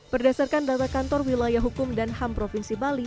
berdasarkan data kantor wilayah hukum dan ham provinsi bali